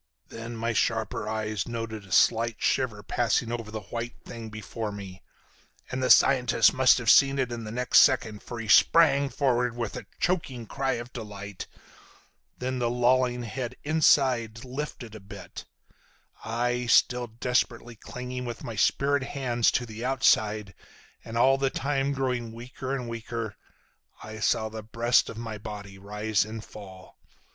"Then my sharper eyes noted a slight shiver passing over the white thing before me, and the scientist must have seen it in the next second, for he sprang forward with a choking cry of delight. Then the lolling head inside lifted a bit. I—still desperately clinging with my spirit hands to the outside, and all the time growing weaker and weaker—I saw the breast of my body rise and fall.